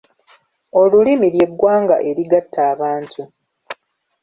Olulimi lye ggwanga erigatta abantu.